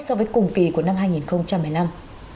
so với cùng kỳ của năm hai nghìn một mươi năm